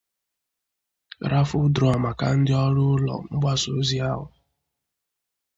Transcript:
'raffle draw' maka ndị ọrụ ụlọ mgbasa ozi ahụ